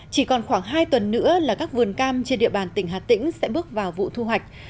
chỉ còn khoảng hai tuần nữa là các vườn cam trên địa bàn tỉnh hà tĩnh sẽ bước vào vụ thu hoạch